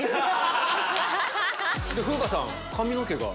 風花さん髪の毛が。